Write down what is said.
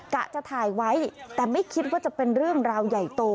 กะจะถ่ายไว้แต่ไม่คิดว่าจะเป็นเรื่องราวใหญ่โต